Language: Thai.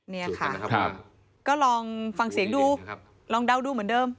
นี่ค่ะก็ลองฟังเสียงดูลองเดาดูเหมือนเดิม